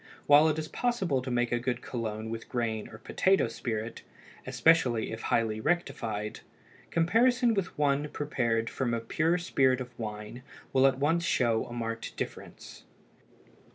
While it is possible to make a good cologne with grain or potato spirit, especially if highly rectified, comparison with one prepared from pure spirit of wine will at once show a marked difference.